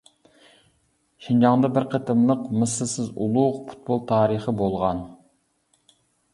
شىنجاڭدا بىر قېتىملىق مىسلىسىز ئۇلۇغ پۇتبول تارىخى بولغان.